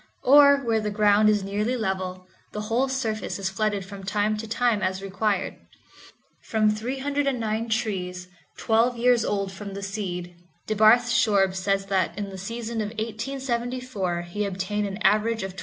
Or, where the ground is nearly level, the whole surface is flooded from time to time as required. From 309 trees, twelve years old from the seed, DeBarth Shorb says that in the season of 1874 he obtained an average of $20.